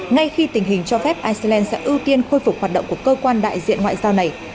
ngay khi tình hình cho phép iceland sẽ ưu tiên khôi phục hoạt động của cơ quan đại diện ngoại giao này